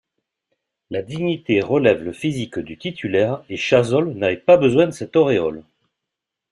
La dignité relève le physique du titulaire et Chazolles n'avait pas besoin de cette auréole.